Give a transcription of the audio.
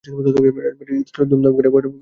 রাজবাড়ির ইতস্তত দুমদাম করিয়া দরজা পড়িতেছে।